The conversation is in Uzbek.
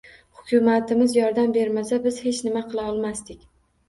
Hukumatimiz yordam bermasa, biz hech nima qila olmasdik.